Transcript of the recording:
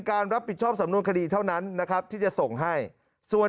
รับผิดชอบสำนวนคดีเท่านั้นนะครับที่จะส่งให้ส่วน